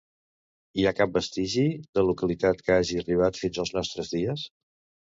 Hi ha cap vestigi de localitat que hagi arribat fins als nostres dies?